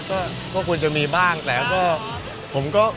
พวกคุณจะมีบ้างแต่ก็